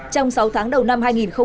trong sáu tháng đầu năm hai nghìn hai mươi